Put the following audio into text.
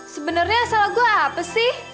sebenernya salah gue apa sih